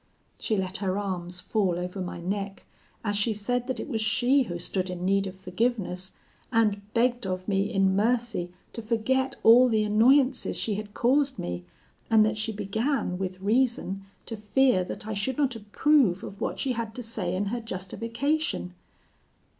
She let her arms fall over my neck, as she said that it was she who stood in need of forgiveness, and begged of me in mercy to forget all the annoyances she had caused me, and that she began, with reason, to fear that I should not approve of what she had to say in her justification.